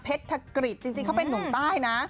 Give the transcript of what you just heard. เพชรถกริตจริงเขาเป็นนุ่มใต้นะ